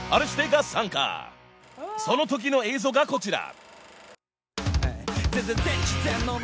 ［そのときの映像がこちら］